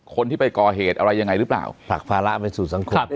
คนที่ไปก่อเหตุอะไรยังไงหรือเปล่าฝากภาระไปสู่สังคมด้วย